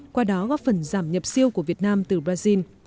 qua đó góp phần giảm nhập siêu của việt nam từ brazil